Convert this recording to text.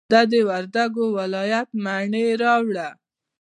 د وردګو ولایت مڼې راوړه.